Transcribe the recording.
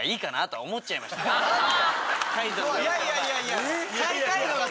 いやいやいやいや！